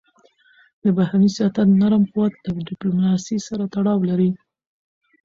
د بهرني سیاست نرم قوت له ډیپلوماسی سره تړاو لري.